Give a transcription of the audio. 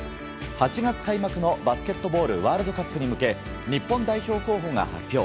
８月開幕のバスケットボールワールドカップに向けて日本代表候補が発表。